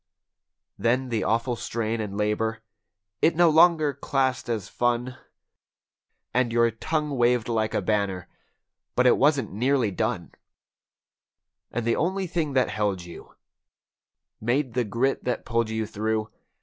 S f // f f J * J I t Then the awful strain and labor—it no longer classed as fun; And your tongue waved like a banner, but it wasn't nearly done. And the only thing that held you—made the grit that pulled you through.